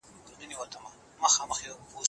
نه دعا یې له عذابه سي ژغورلای